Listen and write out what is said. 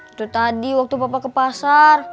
itu tadi waktu bapak ke pasar